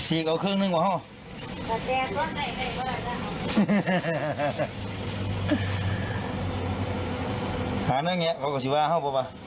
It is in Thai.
อีกศาลค่ะ